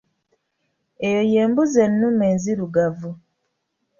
Eyo ye mbuzi ennume enzirugavu.